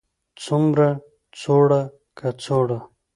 څومره, څوړه، کڅوړه